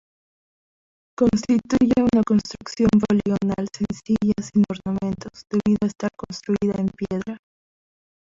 Constituye una construcción poligonal sencilla sin ornamentos, debido a estar construida en piedra.